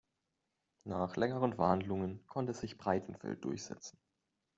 Nach längeren Verhandlungen konnte sich Breitenfeld durchsetzen.